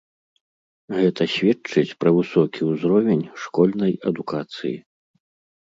Гэта сведчыць пра высокі ўзровень школьнай адукацыі.